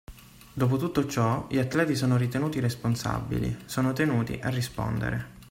Dopo tutto ciò, gli atleti sono ritenuti responsabili, sono tenuti a rispondere.